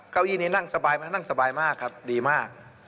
เก้าอี้นี้นั่งสบายมากครับดีมาก